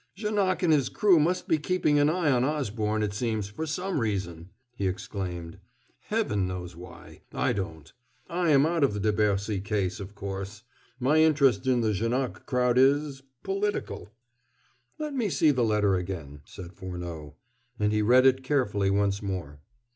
"Janoc and his crew must be keeping an eye on Osborne, it seems for some reason," he exclaimed. "Heaven knows why I don't. I am out of the de Bercy case, of course. My interest in the Janoc crowd is political." "Let me see the letter again," said Furneaux; and he read it carefully once more.